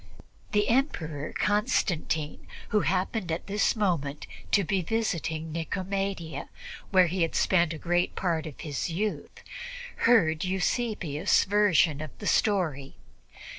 The Emperor Constantine, who happened at this moment to be visiting Nicomedia, where he had spent a great part of his youth, heard Eusebius' version of the story.